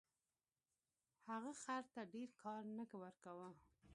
هغه خر ته ډیر کار نه ورکاوه.